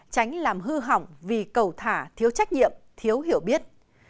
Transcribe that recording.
tránh làm hư hỏng vì cầu thả thiếu trách nhiệm thiếu hiểu biết